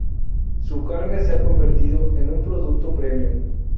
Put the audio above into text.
Su carne se ha convertido en un producto premium.